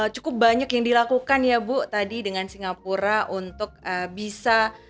cukup banyak yang dilakukan ya bu tadi dengan singapura untuk bisa